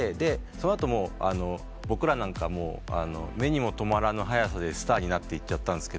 その後僕らなんか目にも留まらぬ速さでスターになっていっちゃった。